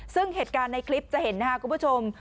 ซึ่งเหตุการณ์ในคลิปจะเห็นนะครับคุณผู้ชม